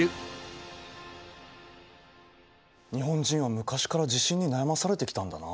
日本人は昔から地震に悩まされてきたんだな。